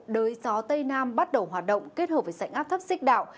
đới gió tây nam bắt đầu hoạt động kết hợp với sảnh áp thấp xích đạo